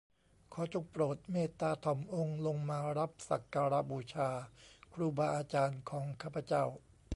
ขอจงโปรดเมตตาถ่อมองค์ลงมารับสักการะบูชาครูบาอาจารย์ของข้าพเจ้า